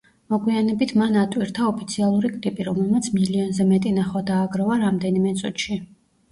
მოგვიანებით მან ატვირთა ოფიციალური კლიპი, რომელმაც მილიონზე მეტი ნახვა დააგროვა რამდენიმე წუთში.